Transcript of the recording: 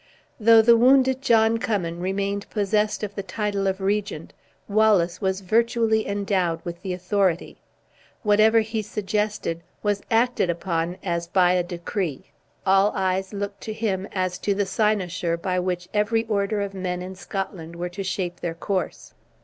Though the wounded John Cummin remained possessed of the title of regent, Wallace was virtually endowed with the authority. Whatever he suggested was acted upon as by a decree all eyes looked to him as to the cynosure by which every order of men in Scotland were to shape their course.